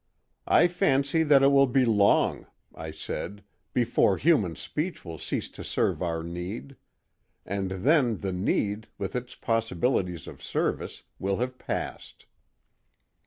"I fancy that it will be long," I said, "before human speech will cease to serve our need; and then the need, with its possibilities of service, will have passed."